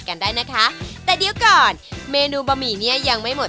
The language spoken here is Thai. กันได้นะคะแต่เดี๋ยวก่อนเมนูบะหมี่เนี้ยยังไม่หมด